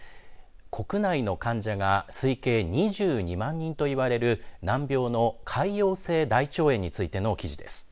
国内の患者が推計２２万人といわれる難病の潰瘍性大腸炎についての記事です。